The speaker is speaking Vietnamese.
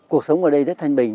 cuộc sống ở đây rất thanh bình